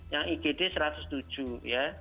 yang igd satu ratus tujuh ya